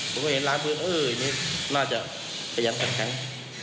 ผมก็เห็นล้างพื้นเออนี่น่าจะพยายามกัดแข็ง